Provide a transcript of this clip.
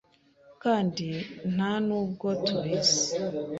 kandi nta nubwo tubizi